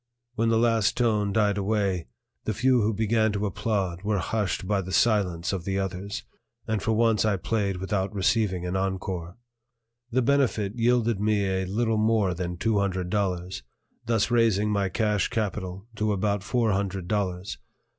When the last tone died away, the few who began to applaud were hushed by the silence of the others; and for once I played without receiving an encore. The benefit yielded me a little more than two hundred dollars, thus raising my cash capital to about four hundred dollars.